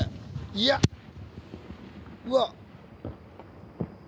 いやうわっ！